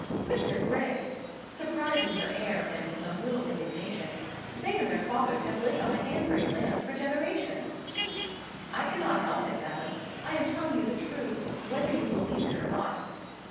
"Mr. Gray"—surprise in her air, and some little indignation—"they and their fathers have lived on the Hanbury lands for generations!" "I cannot help it, madam. I am telling you the truth, whether you believe me or not."